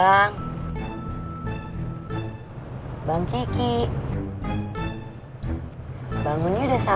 abang bang kiki bangunnya udah sampe